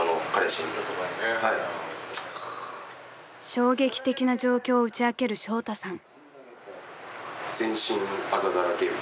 ［衝撃的な状況を打ち明けるショウタさん］